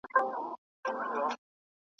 خبریال په سیمه کې د حقایقو لټون کوي.